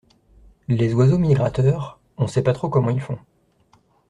Les oiseaux migrateurs, on sait pas trop comment ils font.